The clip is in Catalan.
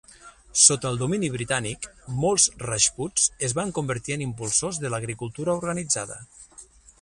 Sota el domini britànic, molts rajputs es van convertir en impulsors de l'agricultura organitzada.